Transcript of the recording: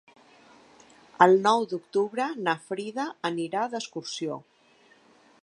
El nou d'octubre na Frida anirà d'excursió.